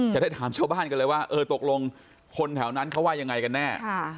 จะได้ถามชาวบ้านกันเลยว่าเออตกลงคนแถวนั้นเขาว่ายังไงกันแน่